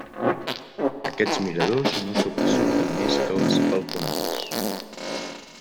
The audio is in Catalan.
Aquests miradors no sobresurten més que les balconades.